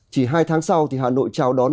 chỉ hai tháng sau hà nội trao đón